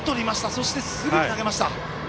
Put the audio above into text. そして、すぐ投げました。